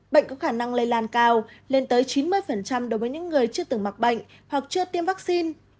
bệnh có khả năng lây lan cao lên tới chín mươi đối với những người chưa từng mắc bệnh hoặc chưa tiêm vaccine